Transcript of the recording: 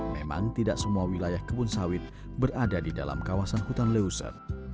memang tidak semua wilayah kebun sawit berada di dalam kawasan hutan leuser